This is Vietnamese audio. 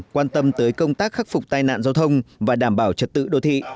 quan tâm tới công tác khắc phục tai nạn giao thông và đảm bảo trật tự đô thị